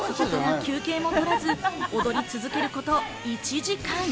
休憩も取らず、踊り続けること１時間。